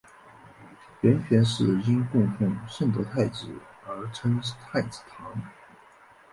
圆泉寺因供奉圣德太子而称太子堂。